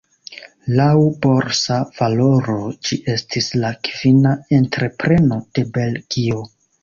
Laŭ borsa valoro ĝi estis la kvina entrepreno de Belgio.